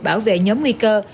bảo vệ nhóm nguy cơ